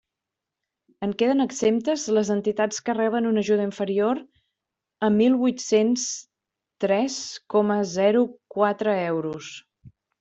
En queden exemptes les entitats que reben una ajuda inferior a mil huit-cents tres coma zero quatre euros.